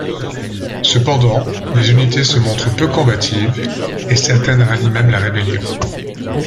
Cependant, les unités se montrent peu combatives, et certaines rallient même la rébellion.